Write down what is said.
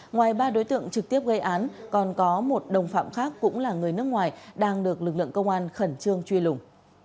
ngoài ba đối tượng trực tiếp gây án còn có một đồng phạm khác cũng là người nước ngoài đang được lực lượng công an khẩn trương truy lùng